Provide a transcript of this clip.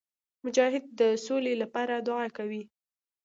مجاهد د سولي لپاره دعا کوي.